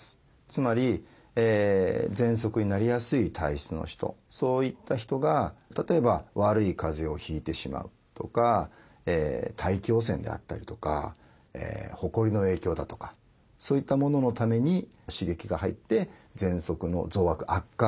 つまりぜんそくになりやすい体質の人そういった人が例えば悪いかぜをひいてしまうとか大気汚染であったりとかほこりの影響だとかそういったもののために刺激が入ってぜんそくの増悪悪化。